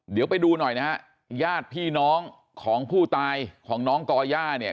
เดี๋ยวไปดูหน่อยนะฮะญาติพี่น้องของผู้ตายของน้องก่อย่าเนี่ย